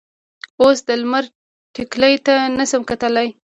اوس د لمر ټیکلي ته نه شم کتلی.